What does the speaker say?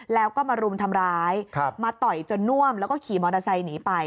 แล้วก็มารุมทำร้ายมาต่อยจนน่วมแล้วก็ขี่มอเตอร์ไซค์หนีไป